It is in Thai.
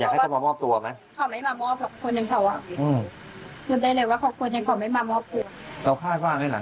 ขอขอคนอย่างเขา